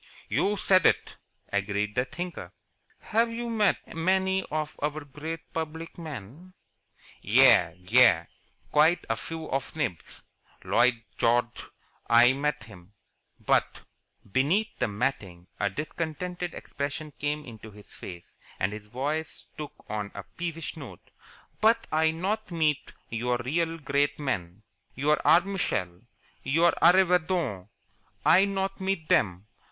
"You said it," agreed the Thinker. "Have you met many of our great public men?" "Yais Yais Quite a few of the nibs Lloyid Gorge, I meet him. But " Beneath the matting a discontented expression came into his face, and his voice took on a peevish note. "But I not meet your real great men your Arbmishel, your Arreevadon I not meet them.